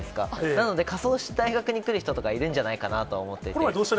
なので、仮装して大学に来る人がいるんじゃないかなと思いまして。